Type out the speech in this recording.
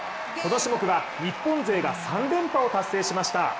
この種目は、日本勢が３連覇を達成しました。